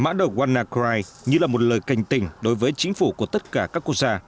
mã độc wannacry như là một lời cảnh tỉnh đối với chính phủ của tất cả các quốc gia